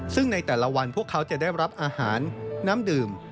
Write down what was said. ซึ่งในแต่ละวันพวกเขาจะได้รับอาหารน้ำดื่ม